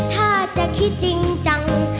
ถ้าจะคิดจริงจัง